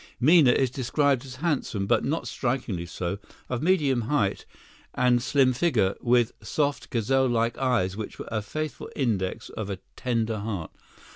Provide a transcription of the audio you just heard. Minna is described as handsome, but not strikingly so; of medium height and slim figure, with "soft, gazelle like eyes which were a faithful index of a tender heart."